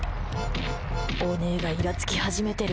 お姉がイラつき始めてる。